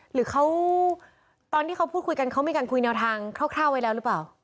หรือเขาตอนที่เขาพูดคุยกันเขามีการคุยแนวทางคร่าวไว้แล้วหรือเปล่า